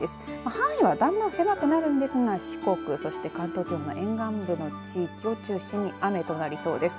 範囲はだんだん狭くなるんですが四国、関東地方の沿岸部の地域中心に雨となりそうです。